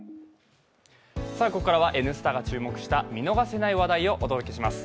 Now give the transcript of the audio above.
ここからは「Ｎスタ」が注目した見逃せない話題をお届けします。